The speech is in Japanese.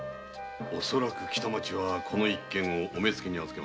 恐らく北町はこの一件をお目付に預けましょう。